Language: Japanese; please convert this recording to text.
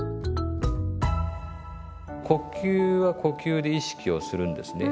呼吸は呼吸で意識をするんですね。